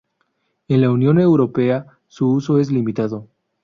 En la Unión europea su uso es limitado.